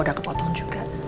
udah kepotong juga